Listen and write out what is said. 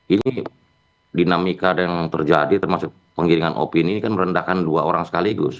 ini dinamika yang terjadi termasuk penggiringan opini ini kan merendahkan dua orang sekaligus